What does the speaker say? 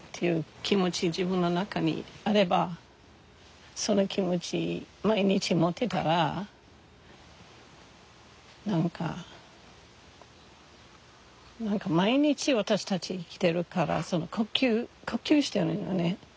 自分の中にあればその気持ち毎日持ってたら何か何か毎日私たち生きてるから呼吸してるよね。